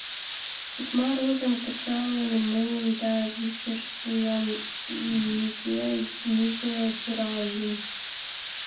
Чыкма рожым кычалын муым да вишыш вуем ньыге-нюго шуральым.